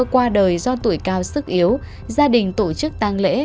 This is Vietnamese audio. qua đời do tuổi cao sức yếu gia đình tổ chức tăng lễ